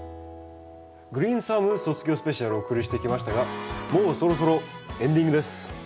「グリーンサム卒業スペシャル」お送りしてきましたがもうそろそろエンディングです。